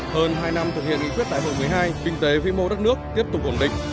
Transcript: hơn hai năm thực hiện nghị quyết tại hội một mươi hai kinh tế vĩ mô đất nước tiếp tục ổn định